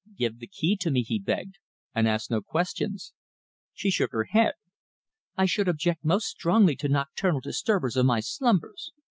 "Give the key to me," he begged, "and ask no questions." She shook her head. "I should object most strongly to nocturnal disturbers of my slumbers!"